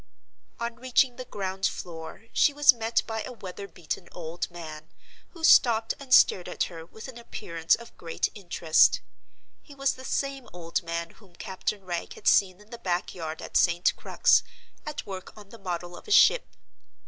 On reaching the ground floor she was met by a weather beaten old man, who stopped and stared at her with an appearance of great interest. He was the same old man whom Captain Wragge had seen in the backyard at St. Crux, at work on the model of a ship.